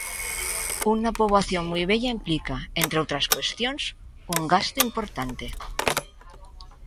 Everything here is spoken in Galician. Unha poboación moi vella implica, entre outras cuestións, un gasto importante.